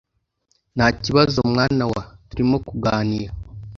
ntakibazo mwana wa turimo tuganira